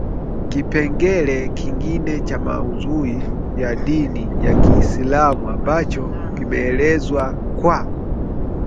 Kipengee kingine cha maudhui ya dini ya Kiislamu ambacho kimeelezwa kwa